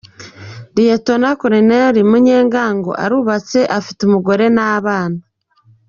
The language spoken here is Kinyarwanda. Lt Col Munyengango arubatse, afite umugore n’abana.